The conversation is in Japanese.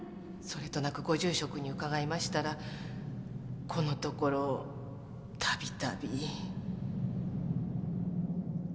それとなくご住職に伺いましたらこのところ度々。